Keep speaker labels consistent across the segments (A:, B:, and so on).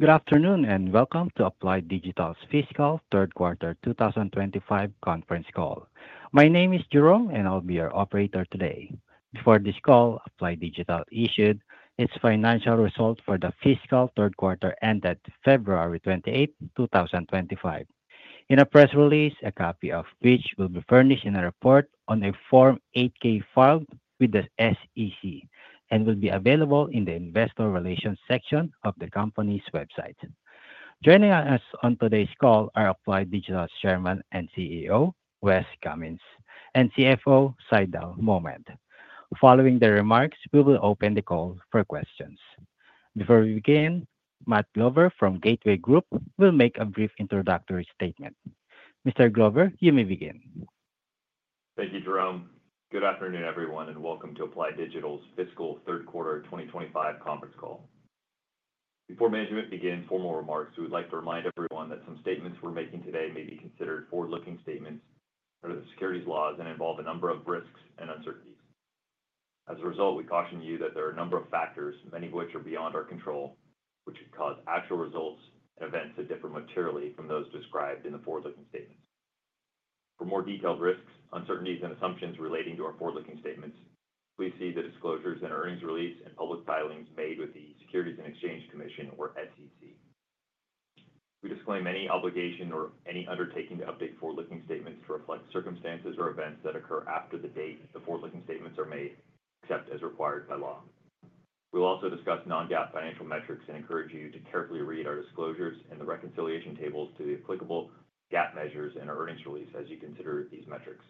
A: Good afternoon and welcome to Applied Digital's Fiscal Third Quarter 2025 Conference Call. My name is Jerome, and I'll be your operator today. Before this call, Applied Digital issued its financial results for the fiscal third quarter ended February 28, 2025. In a press release, a copy of which will be furnished in a report on a Form 8-K filed with the SEC and will be available in the Investor Relations section of the company's website. Joining us on today's call are Applied Digital's Chairman and CEO, Wes Cummins, and CFO, Saidal Mohmand. Following their remarks, we will open the call for questions. Before we begin, Matt Glover from Gateway Group will make a brief introductory statement. Mr. Glover, you may begin.
B: Thank you, Jerome. Good afternoon, everyone, and welcome to Applied Digital's Fiscal Third Quarter 2025 Conference Call. Before management begins formal remarks, we would like to remind everyone that some statements we're making today may be considered forward-looking statements under the securities laws and involve a number of risks and uncertainties. As a result, we caution you that there are a number of factors, many of which are beyond our control, which could cause actual results and events to differ materially from those described in the forward-looking statements. For more detailed risks, uncertainties, and assumptions relating to our forward-looking statements, please see the disclosures in earnings release and public filings made with the Securities and Exchange Commission, or SEC. We disclaim any obligation or any undertaking to update forward-looking statements to reflect circumstances or events that occur after the date the forward-looking statements are made, except as required by law. We will also discuss non-GAAP financial metrics and encourage you to carefully read our disclosures and the reconciliation tables to the applicable GAAP measures in our earnings release as you consider these metrics.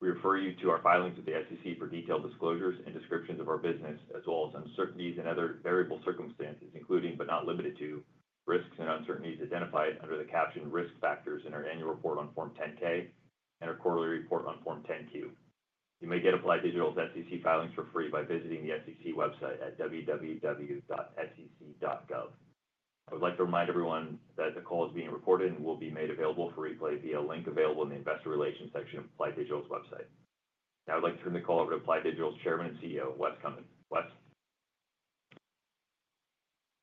B: We refer you to our filings with the SEC for detailed disclosures and descriptions of our business, as well as uncertainties and other variable circumstances, including but not limited to risks and uncertainties identified under the captioned risk factors in our annual report on Form 10-K and our quarterly report on Form 10-Q. You may get Applied Digital's SEC filings for free by visiting the SEC website at www.sec.gov. I would like to remind everyone that the call is being recorded and will be made available for replay via a link available in the investor relations section of Applied Digital's website. Now, I'd like to turn the call over to Applied Digital's Chairman and CEO, Wes Cummins. Wes.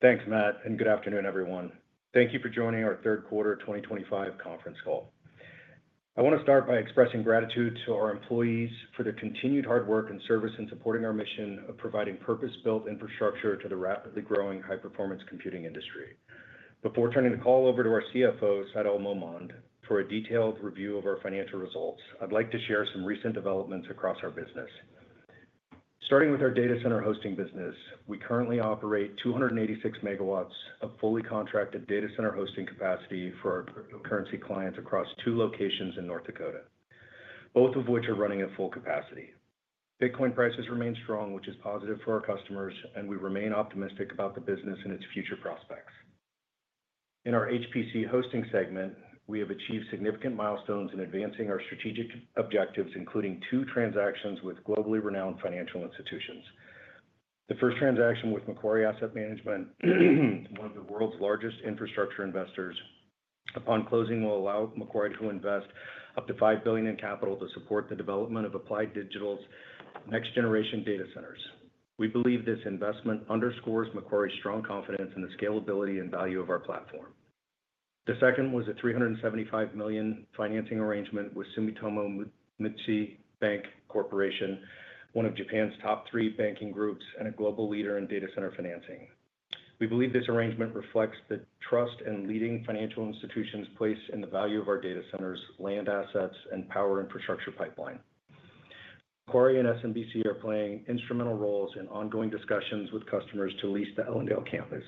C: Thanks, Matt, and good afternoon, everyone. Thank you for joining our Third Quarter 2025 Conference Call. I want to start by expressing gratitude to our employees for their continued hard work and service in supporting our mission of providing purpose-built infrastructure to the rapidly growing high-performance computing industry. Before turning the call over to our CFO, Saidal Mohmand, for a detailed review of our financial results, I'd like to share some recent developments across our business. Starting with our data center hosting business, we currently operate 286 MW of fully contracted data center hosting capacity for our currency clients across two locations in North Dakota, both of which are running at full capacity. Bitcoin prices remain strong, which is positive for our customers, and we remain optimistic about the business and its future prospects. In our HPC Hosting segment, we have achieved significant milestones in advancing our strategic objectives, including two transactions with globally renowned financial institutions. The first transaction with Macquarie Asset Management, one of the world's largest infrastructure investors, upon closing will allow Macquarie to invest up to $5 billion in capital to support the development of Applied Digital's next-generation data centers. We believe this investment underscores Macquarie's strong confidence in the scalability and value of our platform. The second was a $375 million financing arrangement with Sumitomo Mitsui Bank Corporation, one of Japan's top three banking groups and a global leader in data center financing. We believe this arrangement reflects the trust leading financial institutions placed in the value of our data center's land assets and power infrastructure pipeline. Macquarie and SMBC are playing instrumental roles in ongoing discussions with customers to lease the Ellendale campus.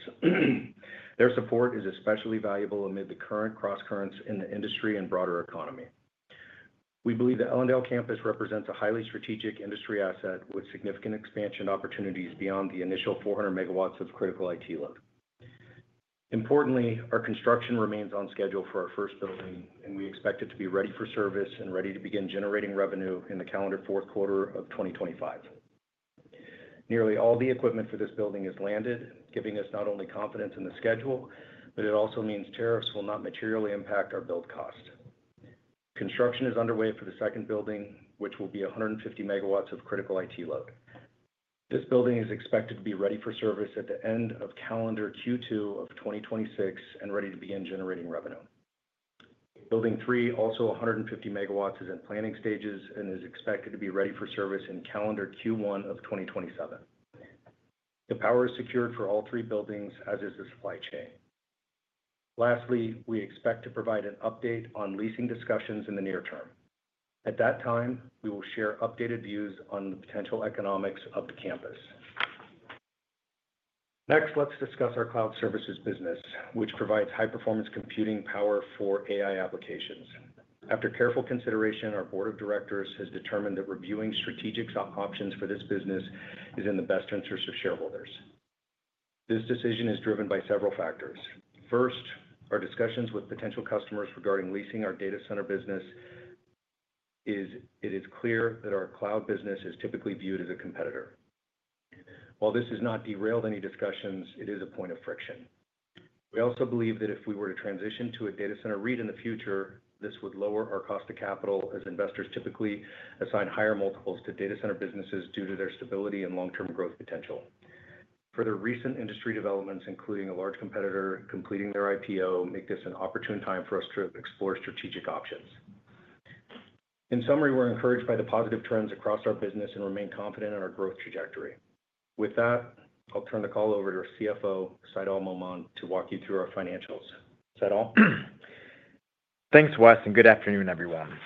C: Their support is especially valuable amid the current cross-currents in the industry and broader economy. We believe the Ellendale campus represents a highly strategic industry asset with significant expansion opportunities beyond the initial 400 MW of critical IT load. Importantly, our construction remains on schedule for our first building, and we expect it to be ready for service and ready to begin generating revenue in the calendar fourth quarter of 2025. Nearly all the equipment for this building is landed, giving us not only confidence in the schedule, but it also means tariffs will not materially impact our build cost. Construction is underway for the second building, which will be 150 MW of critical IT load. This building is expected to be ready for service at the end of calendar Q2 of 2026 and ready to begin generating revenue. Building 3, also 150 MW, is in planning stages and is expected to be ready for service in calendar Q1 of 2027. The power is secured for all three buildings, as is the supply chain. Lastly, we expect to provide an update on leasing discussions in the near term. At that time, we will share updated views on the potential economics of the campus. Next, let's discuss our cloud services business, which provides high-performance computing power for AI applications. After careful consideration, our board of directors has determined that reviewing strategic options for this business is in the best interest of shareholders. This decision is driven by several factors. First, our discussions with potential customers regarding leasing our data center business is it is clear that our cloud business is typically viewed as a competitor. While this has not derailed any discussions, it is a point of friction. We also believe that if we were to transition to a data center REIT in the future, this would lower our cost of capital, as investors typically assign higher multiples to data center businesses due to their stability and long-term growth potential. Further recent industry developments, including a large competitor completing their IPO, make this an opportune time for us to explore strategic options. In summary, we're encouraged by the positive trends across our business and remain confident in our growth trajectory. With that, I'll turn the call over to our CFO, Saidal Mohmand, to walk you through our financials. Saidal?
D: Thanks, Wes, and good afternoon, everyone.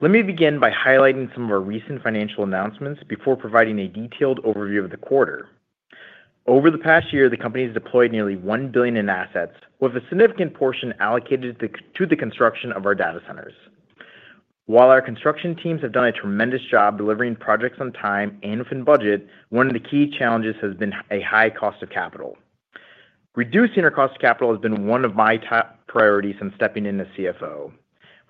D: Let me begin by highlighting some of our recent financial announcements before providing a detailed overview of the quarter. Over the past year, the company has deployed nearly $1 billion in assets, with a significant portion allocated to the construction of our data centers. While our construction teams have done a tremendous job delivering projects on time and within budget, one of the key challenges has been a high cost of capital. Reducing our cost of capital has been one of my top priorities since stepping in as CFO.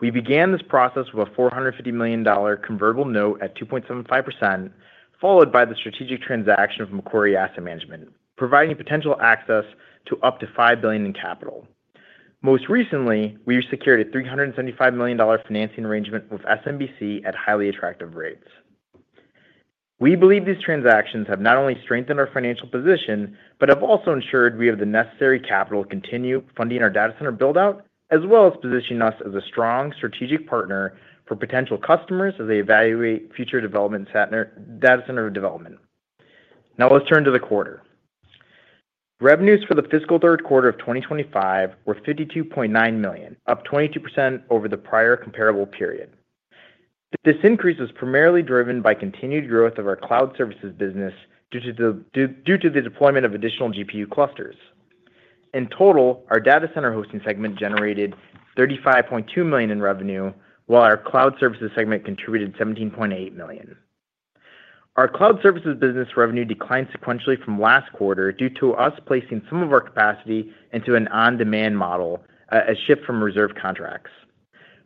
D: We began this process with a $450 million convertible note at 2.75%, followed by the strategic transaction from Macquarie Asset Management, providing potential access to up to $5 billion in capital. Most recently, we secured a $375 million financing arrangement with SMBC at highly attractive rates. We believe these transactions have not only strengthened our financial position but have also ensured we have the necessary capital to continue funding our data center build-out, as well as positioning us as a strong strategic partner for potential customers as they evaluate future data center development. Now, let's turn to the quarter. Revenues for the fiscal third quarter of 2025 were $52.9 million, up 22% over the prior comparable period. This increase was primarily driven by continued growth of our cloud services business due to the deployment of additional GPU clusters. In total, our data center hosting segment generated $35.2 million in revenue, while our cloud services segment contributed $17.8 million. Our cloud services business revenue declined sequentially from last quarter due to us placing some of our capacity into an on-demand model, a shift from reserve contracts.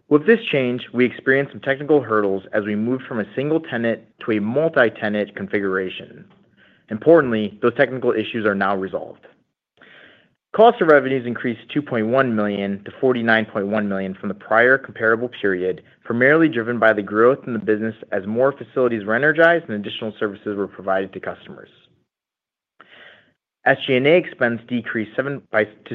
D: With this change, we experienced some technical hurdles as we moved from a single-tenant to a multi-tenant configuration. Importantly, those technical issues are now resolved. Cost of revenues increased $2.1 million-$49.1 million from the prior comparable period, primarily driven by the growth in the business as more facilities were energized and additional services were provided to customers. SG&A expenses decreased to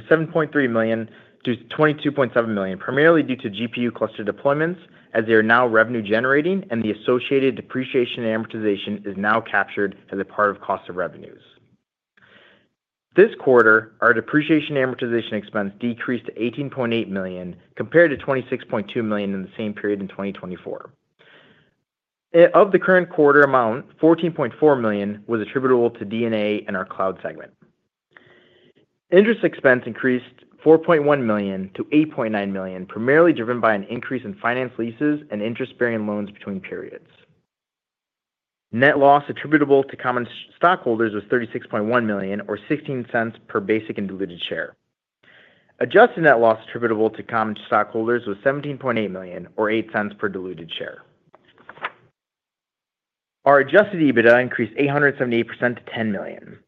D: $7.3 million-$22.7 million, primarily due to GPU cluster deployments, as they are now revenue-generating, and the associated depreciation and amortization is now captured as a part of cost of revenues. This quarter, our depreciation and amortization expenses decreased to $18.8 million, compared to $26.2 million in the same period in 2024. Of the current quarter amount, $14.4 million was attributable to DNA and our cloud segment. Interest expenses increased from $4.1 million to $8.9 million, primarily driven by an increase in finance leases and interest-bearing loans between periods. Net loss attributable to common stockholders was $36.1 million, or $0.16 per basic and diluted share. Adjusted net loss attributable to common stockholders was $17.8 million, or $0.08 per diluted share. Our adjusted EBITDA increased 878% to $10 million.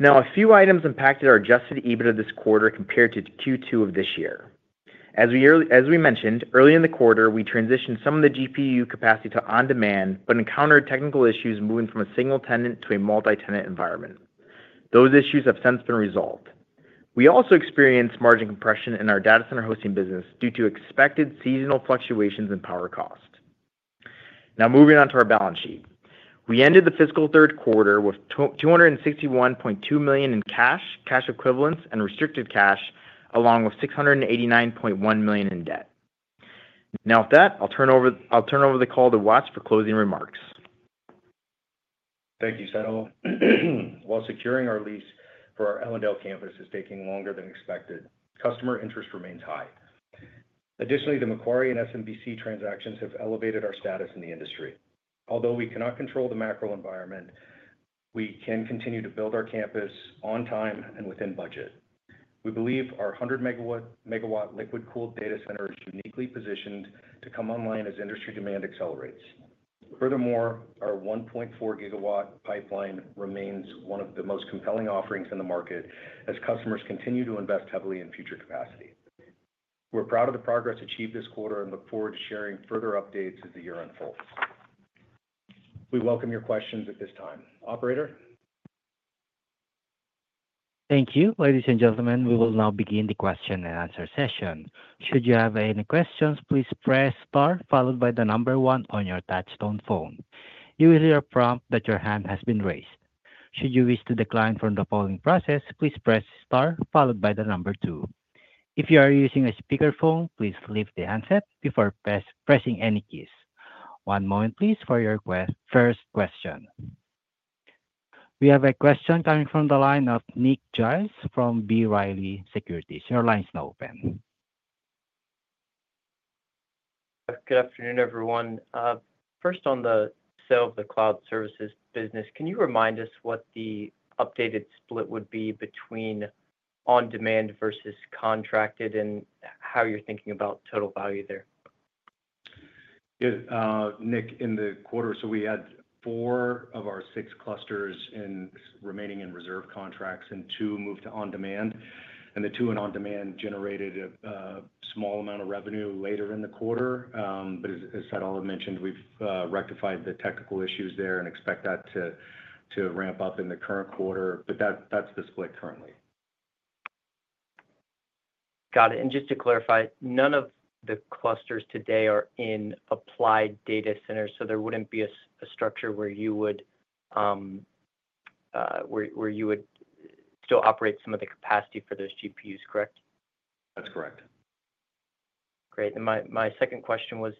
D: Now, a few items impacted our adjusted EBITDA this quarter compared to Q2 of this year. As we mentioned, early in the quarter, we transitioned some of the GPU capacity to on-demand but encountered technical issues moving from a single-tenant to a multi-tenant environment. Those issues have since been resolved. We also experienced margin compression in our data center hosting business due to expected seasonal fluctuations in power cost. Now, moving on to our balance sheet, we ended the fiscal third quarter with $261.2 million in cash, cash equivalents, and restricted cash, along with $689.1 million in debt. Now, with that, I'll turn over the call to Wes for closing remarks.
C: Thank you, Saidal. While securing our lease for our Ellendale campus is taking longer than expected, customer interest remains high. Additionally, the Macquarie and SMBC transactions have elevated our status in the industry. Although we cannot control the macro environment, we can continue to build our campus on time and within budget. We believe our 100 MW liquid-cooled data center is uniquely positioned to come online as industry demand accelerates. Furthermore, our 1.4 GW pipeline remains one of the most compelling offerings in the market as customers continue to invest heavily in future capacity. We're proud of the progress achieved this quarter and look forward to sharing further updates as the year unfolds. We welcome your questions at this time. Operator?
A: Thank you. Ladies and gentlemen, we will now begin the question-and-answer session. Should you have any questions, please press star, followed by the number one on your touch-tone phone. You will hear a prompt that your hand has been raised. Should you wish to decline from the following process, please press star, followed by the number two. If you are using a speakerphone, please lift the handset before pressing any keys. One moment, please, for your first question. We have a question coming from the line of Nick Giles from B. Riley Securities. Your line is now open.
E: Good afternoon, everyone. First, on the sale of the Cloud Services Business, can you remind us what the updated split would be between on-demand versus contracted and how you're thinking about total value there?
C: Nick, in the quarter, we had four of our six clusters remaining in reserve contracts and two moved to on-demand. The two in on-demand generated a small amount of revenue later in the quarter. As Saidal mentioned, we have rectified the technical issues there and expect that to ramp up in the current quarter. That is the split currently.
E: Got it. Just to clarify, none of the clusters today are in Applied Digital Data Centers, so there would not be a structure where you would still operate some of the capacity for those GPUs, correct?
C: That's correct.
E: Great. My second question was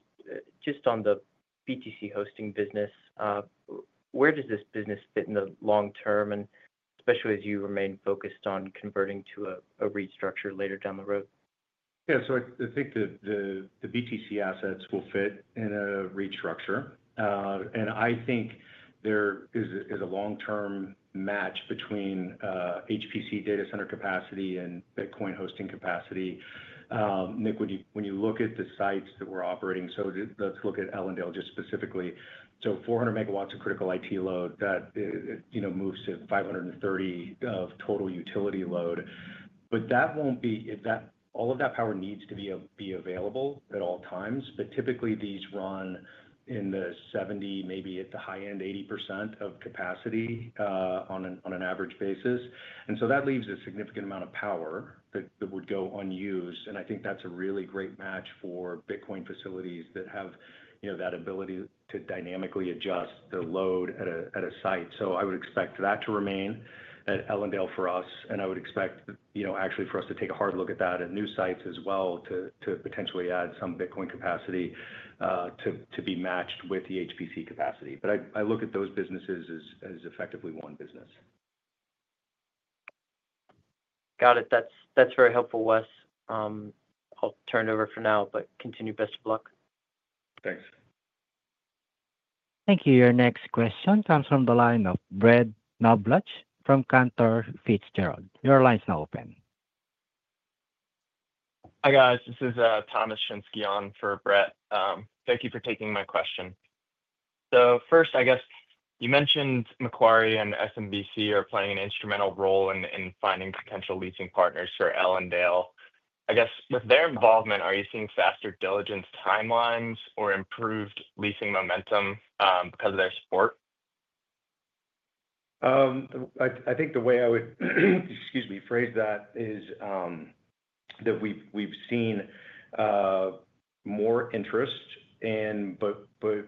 E: just on the BTC Hosting business. Where does this business fit in the long term, and especially as you remain focused on converting to a REIT structure later down the road?
C: Yeah. I think the BTC assets will fit in a REIT structure. I think there is a long-term match between HPC Data Center capacity and Bitcoin Hosting capacity. Nick, when you look at the sites that we're operating, let's look at Ellendale specifically. 400 MW of critical IT load moves to 530 of total utility load. That won't be all of that power needs to be available at all times. Typically, these run in the 70%, maybe at the high end, 80% of capacity on an average basis. That leaves a significant amount of power that would go unused. I think that's a really great match for Bitcoin facilities that have that ability to dynamically adjust the load at a site. I would expect that to remain at Ellendale for us. I would expect, actually, for us to take a hard look at that at new sites as well to potentially add some Bitcoin capacity to be matched with the HPC capacity. I look at those businesses as effectively one business.
E: Got it. That's very helpful, Wes. I'll turn it over for now, but continue best of luck.
C: Thanks.
A: Thank you. Your next question comes from the line of Brett Knoblauch from Cantor Fitzgerald. Your line is now open.
F: Hi, guys. This is Thomas Shenski on for Brett. Thank you for taking my question. I guess you mentioned Macquarie and SMBC are playing an instrumental role in finding potential leasing partners for Ellendale. I guess with their involvement, are you seeing faster diligence timelines or improved leasing momentum because of their support?
C: I think the way I would, excuse me, phrase that is that we've seen more interest.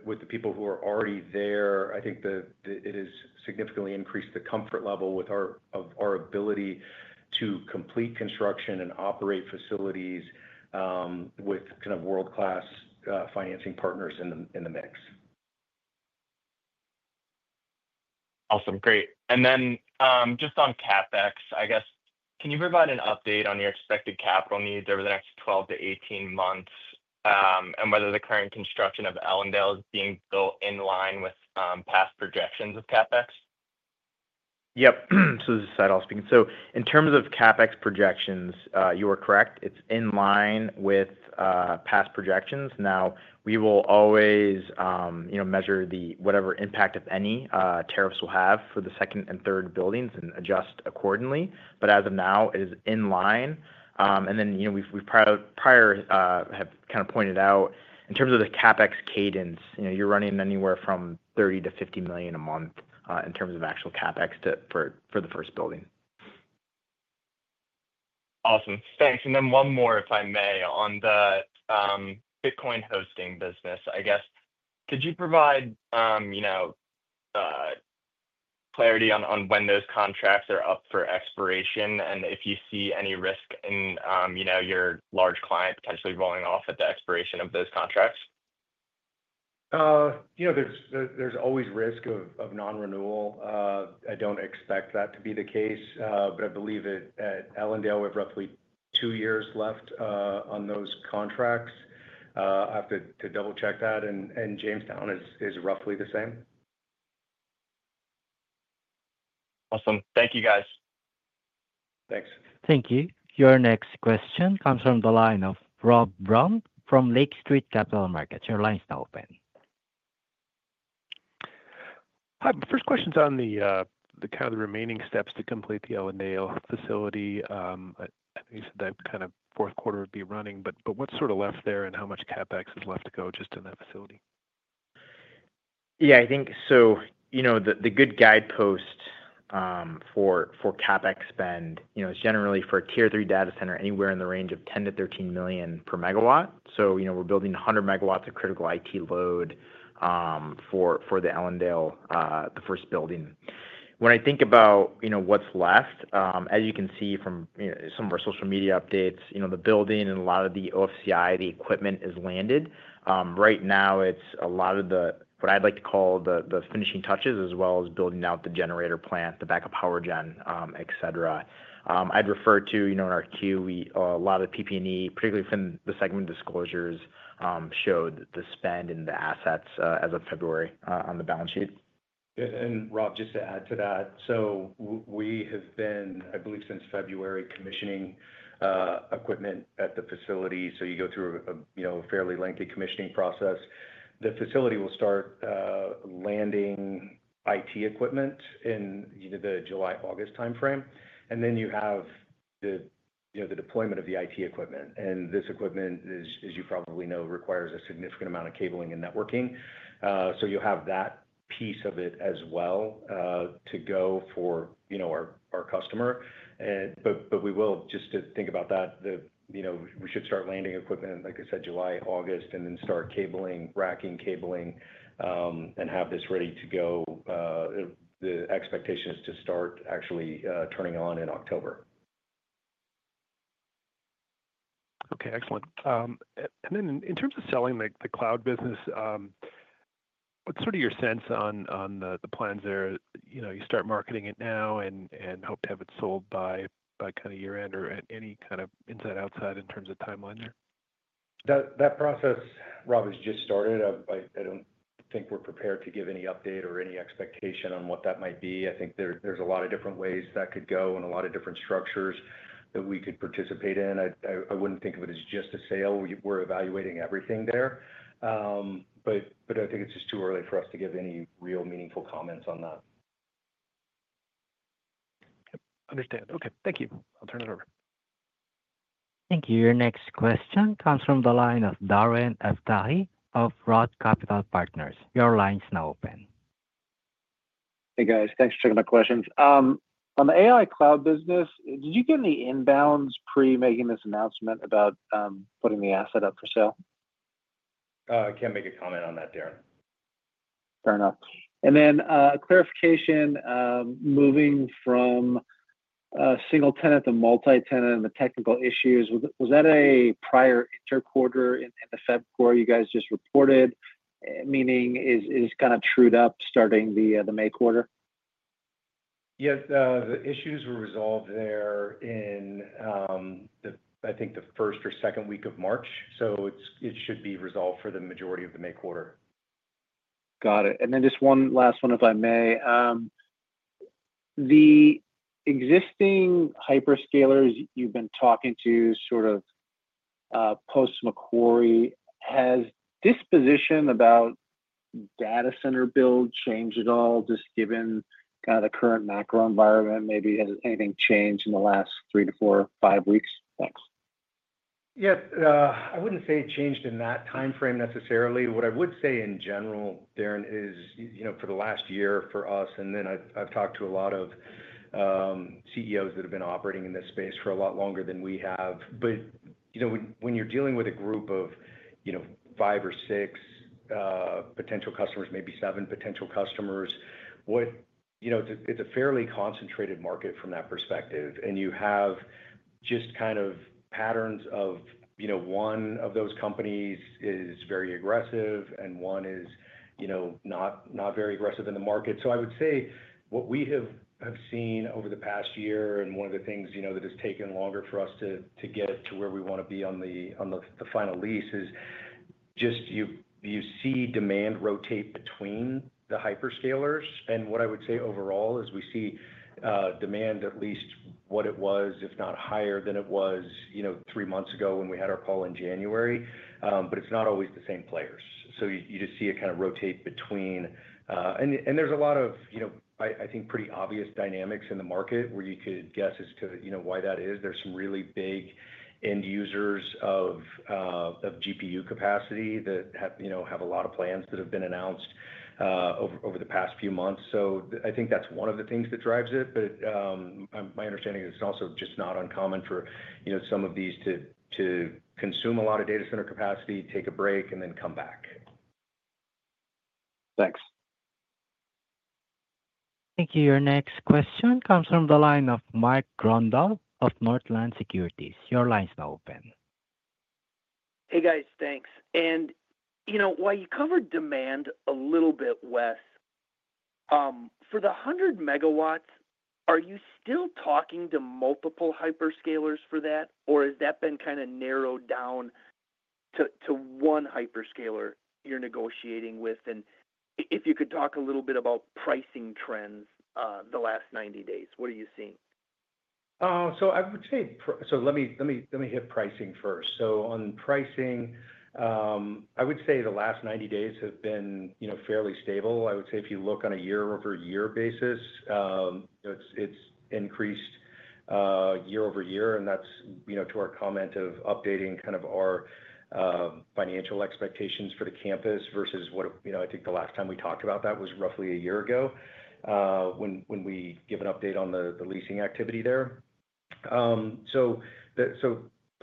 C: With the people who are already there, I think it has significantly increased the comfort level of our ability to complete construction and operate facilities with kind of world-class financing partners in the mix.
F: Awesome. Great. Just on CapEx, I guess, can you provide an update on your expected capital needs over the next 12-18 months and whether the current construction of Ellendale is being built in line with past projections of CapEx?
D: Yep. This is Saidal speaking. In terms of CapEx projections, you are correct. It is in line with past projections. We will always measure whatever impact, if any, tariffs will have for the second and third buildings and adjust accordingly. As of now, it is in line. We have prior have kind of pointed out in terms of the CapEx cadence, you are running anywhere from $30 million-$50 million a month in terms of actual CapEx for the first building.
F: Awesome. Thanks. One more, if I may, on the Bitcoin Hosting business. I guess, could you provide clarity on when those contracts are up for expiration and if you see any risk in your large client potentially rolling off at the expiration of those contracts?
C: There's always risk of non-renewal. I don't expect that to be the case. I believe at Ellendale, we have roughly two years left on those contracts. I have to double-check that. Jamestown is roughly the same.
F: Awesome. Thank you, guys.
C: Thanks.
A: Thank you. Your next question comes from the line of Rob Brown from Lake Street Capital Markets. Your line is now open.
G: Hi. My first question is on kind of the remaining steps to complete the Ellendale facility. I think you said that kind of fourth quarter would be running. What is sort of left there and how much CapEx is left to go just in that facility?
D: Yeah. I think the good guidepost for CapEx spend is generally for a tier-three data center anywhere in the range of $10 million-$13 million per megawatt. We're building 100 MW of critical IT load for the Ellendale, the first building. When I think about what's left, as you can see from some of our social media updates, the building and a lot of the OFCI, the equipment is landed. Right now, it's a lot of what I'd like to call the finishing touches, as well as building out the generator plant, the backup power gen, etc. I'd refer to in our queue, a lot of the PP&E, particularly from the segment disclosures, showed the spend and the assets as of February on the balance sheet.
C: Rob, just to add to that, we have been, I believe, since February, commissioning equipment at the facility. You go through a fairly lengthy commissioning process. The facility will start landing IT equipment in either the July-August timeframe. You have the deployment of the IT equipment. This equipment, as you probably know, requires a significant amount of cabling and networking. You will have that piece of it as well to go for our customer. We will, just to think about that, we should start landing equipment, like I said, July, August, and then start cabling, racking cabling, and have this ready to go. The expectation is to start actually turning on in October.
G: Okay. Excellent. In terms of selling the Cloud business, what's sort of your sense on the plans there? You start marketing it now and hope to have it sold by kind of year-end or any kind of inside-outside in terms of timeline there?
C: That process, Rob, has just started. I do not think we are prepared to give any update or any expectation on what that might be. I think there are a lot of different ways that could go and a lot of different structures that we could participate in. I would not think of it as just a sale. We are evaluating everything there. I think it is just too early for us to give any real meaningful comments on that.
G: Understand. Okay. Thank you. I'll turn it over.
A: Thank you. Your next question comes from the line of Darren Aftahi of Roth Capital Partners. Your line is now open.
H: Hey, guys. Thanks for taking my questions. On the AI Cloud business, did you get any inbounds pre-making this announcement about putting the asset up for sale?
C: I can't make a comment on that, Darren.
H: Fair enough. A clarification, moving from single-tenant to multi-tenant and the technical issues, was that a prior interquarter in the February quarter you guys just reported, meaning it's kind of trued up starting the May quarter?
C: Yes. The issues were resolved there in, I think, the first or second week of March. It should be resolved for the majority of the May quarter.
H: Got it. Just one last one, if I may. The existing hyperscalers you've been talking to sort of post-Macquarie, has this position about data center build changed at all, just given kind of the current macro environment? Maybe has anything changed in the last three to four, five weeks? Thanks.
C: Yeah. I would not say it changed in that timeframe necessarily. What I would say in general, Darren, is for the last year for us, and then I have talked to a lot of CEOs that have been operating in this space for a lot longer than we have. When you are dealing with a group of five or six potential customers, maybe seven potential customers, it is a fairly concentrated market from that perspective. You have just kind of patterns of one of those companies is very aggressive and one is not very aggressive in the market. I would say what we have seen over the past year and one of the things that has taken longer for us to get to where we want to be on the final lease is just you see demand rotate between the hyperscalers. What I would say overall is we see demand at least what it was, if not higher than it was three months ago when we had our call in January. It's not always the same players. You just see it kind of rotate between. There are a lot of, I think, pretty obvious dynamics in the market where you could guess as to why that is. There are some really big end users of GPU capacity that have a lot of plans that have been announced over the past few months. I think that's one of the things that drives it. My understanding is it's also just not uncommon for some of these to consume a lot of data center capacity, take a break, and then come back.
H: Thanks.
A: Thank you. Your next question comes from the line of Mike Grondahl of Northland Securities. Your line is now open.
I: Hey, guys. Thanks. While you covered demand a little bit, Wes, for the 100 MW, are you still talking to multiple hyperscalers for that, or has that been kind of narrowed down to one hyperscaler you're negotiating with? If you could talk a little bit about pricing trends the last 90 days, what are you seeing?
C: I would say, let me hit pricing first. On pricing, I would say the last 90 days have been fairly stable. I would say if you look on a year-over-year basis, it has increased year-over-year. That is to our comment of updating kind of our financial expectations for the campus versus what I think the last time we talked about that was roughly a year ago when we gave an update on the leasing activity there.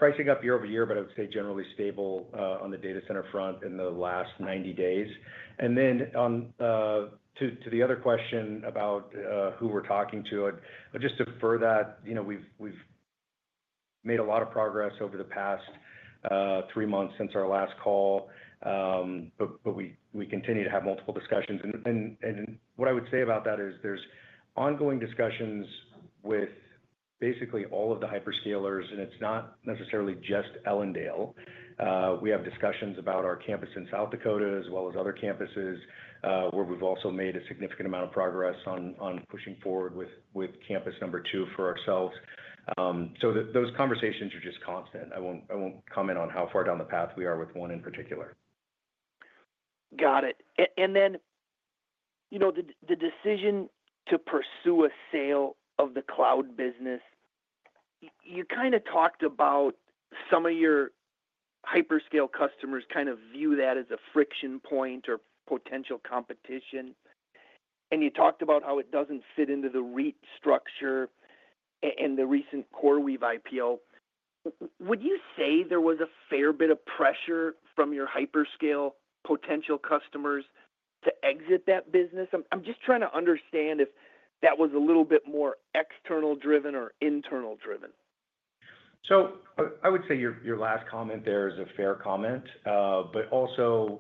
C: Pricing is up year-over-year, but I would say generally stable on the data center front in the last 90 days. To the other question about who we are talking to, I would just defer that. We have made a lot of progress over the past three months since our last call. We continue to have multiple discussions. What I would say about that is there's ongoing discussions with basically all of the hyperscalers, and it's not necessarily just Ellendale. We have discussions about our campus in South Dakota as well as other campuses where we've also made a significant amount of progress on pushing forward with campus number two for ourselves. Those conversations are just constant. I won't comment on how far down the path we are with one in particular.
I: Got it. Then the decision to pursue a sale of the Cloud business, you kind of talked about some of your hyperscale customers kind of view that as a friction point or potential competition. You talked about how it does not fit into the REIT structure and the recent CoreWeave IPO. Would you say there was a fair bit of pressure from your hyperscale potential customers to exit that business? I am just trying to understand if that was a little bit more external-driven or internal-driven.
C: I would say your last comment there is a fair comment. Also,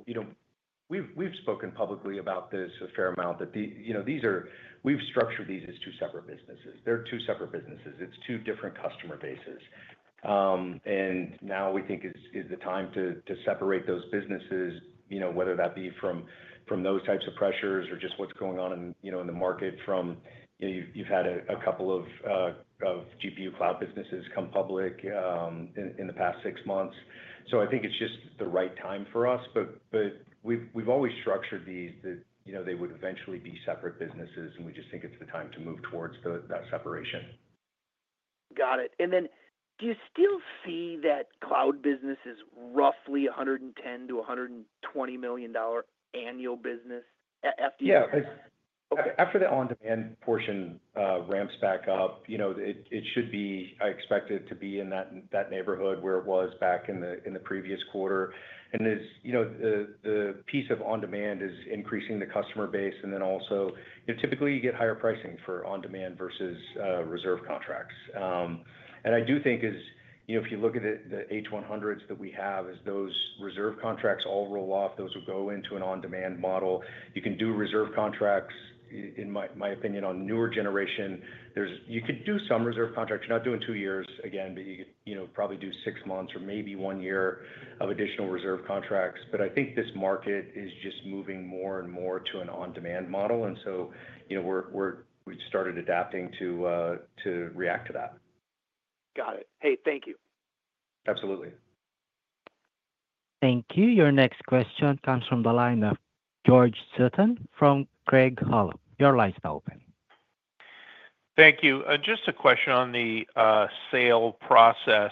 C: we've spoken publicly about this a fair amount that we've structured these as two separate businesses. They're two separate businesses. It's two different customer bases. Now we think is the time to separate those businesses, whether that be from those types of pressures or just what's going on in the market. You've had a couple of GPU cloud businesses come public in the past six months. I think it's just the right time for us. We've always structured these that they would eventually be separate businesses, and we just think it's the time to move towards that separation.
I: Got it. Do you still see that cloud business is roughly $110 million-$120 million annual business EBITDA?
C: Yeah. After the on-demand portion ramps back up, it should be, I expect it to be in that neighborhood where it was back in the previous quarter. The piece of on-demand is increasing the customer base. Typically, you get higher pricing for on-demand versus reserve contracts. I do think if you look at the H100s that we have, as those reserve contracts all roll off, those will go into an on-demand model. You can do reserve contracts, in my opinion, on newer generation. You could do some reserve contracts. You're not doing two years again, but you could probably do six months or maybe one year of additional reserve contracts. I think this market is just moving more and more to an on-demand model. We have started adapting to react to that.
I: Got it. Hey, thank you.
C: Absolutely.
A: Thank you. Your next question comes from the line of George Sutton from Craig-Hallum. Your line is now open.
J: Thank you. Just a question on the sale process.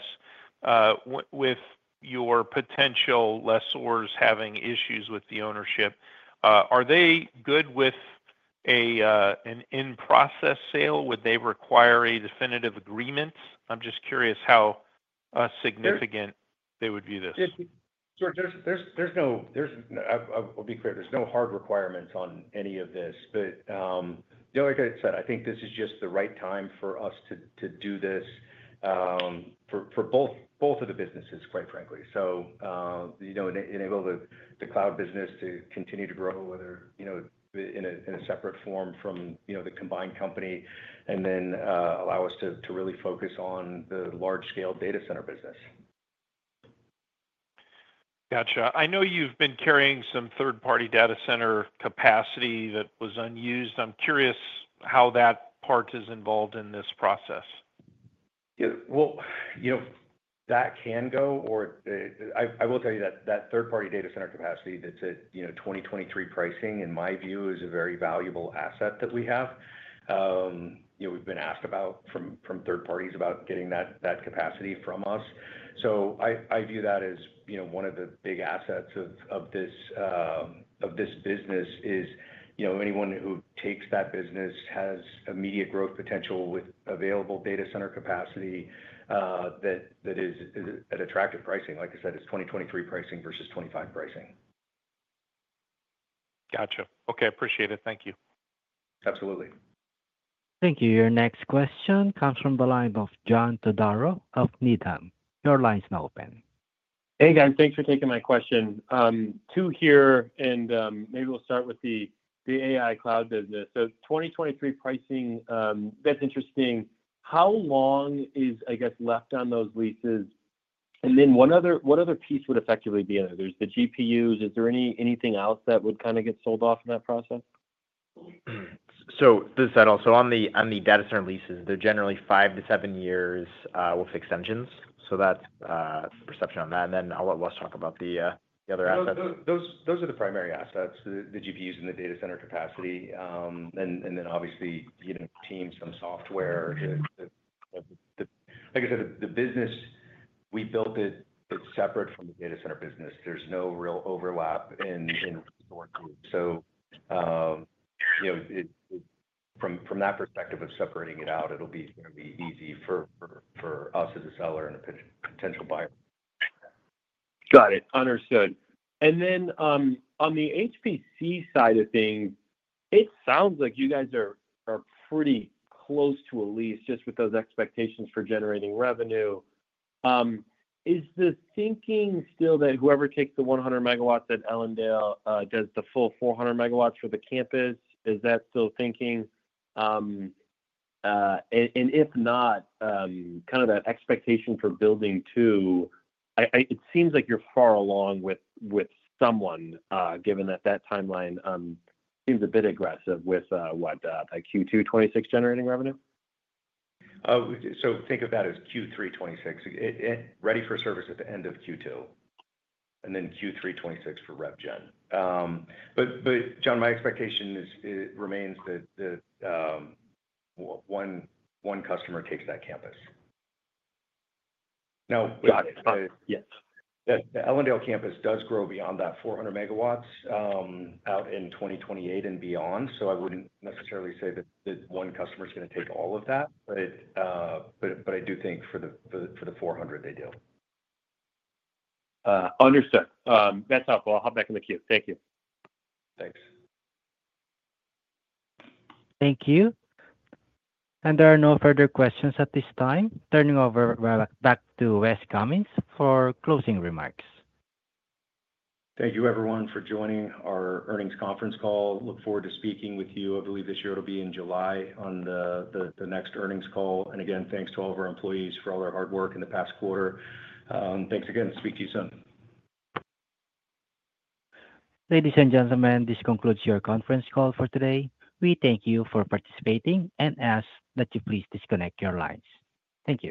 J: With your potential lessors having issues with the ownership, are they good with an in-process sale? Would they require a definitive agreement? I'm just curious how significant they would view this.
C: George, I'll be clear. There's no hard requirements on any of this. Like I said, I think this is just the right time for us to do this for both of the businesses, quite frankly. It enables the cloud business to continue to grow, whether in a separate form from the combined company, and then allows us to really focus on the large-scale data center business.
J: Gotcha. I know you've been carrying some third-party data center capacity that was unused. I'm curious how that part is involved in this process.
C: Yeah. That can go or I will tell you that third-party data center capacity that's at 2023 pricing, in my view, is a very valuable asset that we have. We've been asked about from third parties about getting that capacity from us. I view that as one of the big assets of this business is anyone who takes that business has immediate growth potential with available data center capacity that is at attractive pricing. Like I said, it's 2023 pricing versus 2025 pricing.
J: Gotcha. Okay. Appreciate it. Thank you.
C: Absolutely.
A: Thank you. Your next question comes from the line of John Todaro of Needham. Your line is now open.
K: Hey, Darren. Thanks for taking my question. Two here, and maybe we'll start with the AI Cloud business. 2023 pricing, that's interesting. How long is, I guess, left on those leases? What other piece would effectively be in there? There's the GPUs. Is there anything else that would kind of get sold off in that process?
D: This is Saidal. On the data center leases, they're generally five to seven years with extensions. That's the perception on that. Let's talk about the other assets.
C: Those are the primary assets, the GPUs and the Data Center capacity. Obviously, teams, some software. Like I said, the business, we built it separate from the Data Center business. There is no real overlap in resources. From that perspective of separating it out, it will be easy for us as a seller and a potential buyer.
K: Got it. Understood. On the HPC side of things, it sounds like you guys are pretty close to a lease just with those expectations for generating revenue. Is the thinking still that whoever takes the 100 MW at Ellendale does the full 400 MW for the campus? Is that still thinking? If not, kind of that expectation for Building 2, it seems like you're far along with someone, given that that timeline seems a bit aggressive with what, Q2 2026 generating revenue?
C: Think of that as Q3 2026. Ready for service at the end of Q2. Q3 2026 for rev gen. John, my expectation remains that one customer takes that campus now.
K: Got it.
C: Yes. Ellendale campus does grow beyond that 400 MW out in 2028 and beyond. I would not necessarily say that one customer is going to take all of that. I do think for the 400, they do.
K: Understood. That's helpful. I'll hop back in the queue. Thank you.
C: Thanks.
A: Thank you. There are no further questions at this time. Turning over back to Wes Cummins for closing remarks.
C: Thank you, everyone, for joining our earnings conference call. Look forward to speaking with you. I believe this year it'll be in July on the next earnings call. Again, thanks to all of our employees for all their hard work in the past quarter. Thanks again. Speak to you soon.
A: Ladies and gentlemen, this concludes your conference call for today. We thank you for participating and ask that you please disconnect your lines. Thank you.